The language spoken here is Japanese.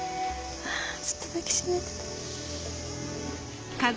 ずっと抱き締めてたい。